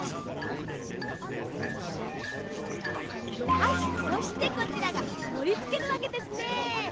はいそしてこちらがもりつけるわけですね。